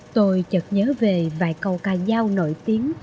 tôi chợt nhớ về vài câu ca giao nổi tiếng